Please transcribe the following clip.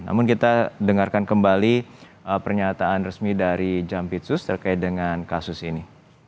namun kita dengarkan kembali pernyataan resmi dari jampitsus terkait dengan kasus ini